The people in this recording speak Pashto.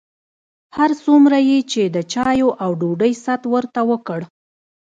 هر څومره یې چې د چایو او ډوډۍ ست ورته وکړ.